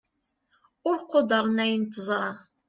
ur quddren ayen teẓṛa